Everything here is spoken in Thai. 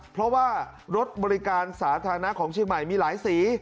เพราะว่ารถบริการสาธารณะของเชียงใหม่มีหลายสี